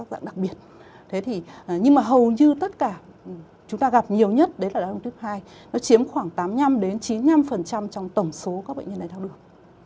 đó là đai tháo đường type hai nó chiếm khoảng tám mươi năm chín mươi năm trong tổng số các bệnh nhân đai tháo đường